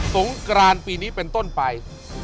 งกรานปีนี้เป็นต้นไป